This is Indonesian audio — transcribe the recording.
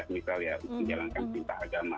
misalnya menjalankan pinta agama